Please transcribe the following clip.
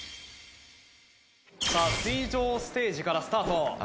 さぁ水上ステージからスタート。